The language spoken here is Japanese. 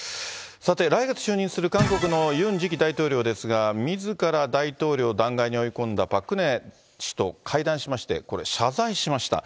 さて来月就任する韓国のユン次期大統領ですが、みずから大統領弾劾に追い込んだパク・クネ氏と会談しまして、これ、謝罪しました。